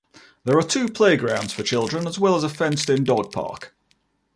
There are two playgrounds for children as well as a fenced-in dog park.